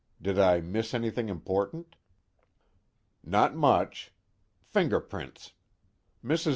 Did I miss anything important?" "Not much. Fingerprints. Mrs.